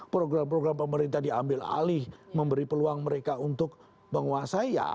program program pemerintah diambil alih memberi peluang mereka untuk menguasai ya